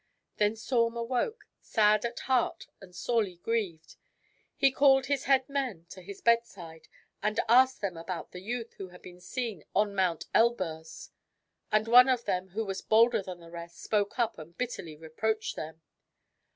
Then Saum awoke, sad at heart and sorely grieved. He called his head men to his bedside and asked them about the youth who had been seen on Mount Elburz. And one of them who was bolder than the rest spoke up and bitterly re proached him.